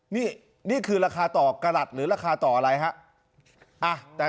นี่นี่คือราคาต่อกระหลัดหรือราคาต่ออะไรฮะ